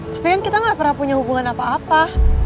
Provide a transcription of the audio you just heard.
tapi kan kita gak pernah punya hubungan apa apa